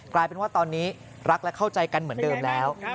กลายเป็นว่าตอนนี้รักและเข้าใจกันเหมือนเดิมแล้ว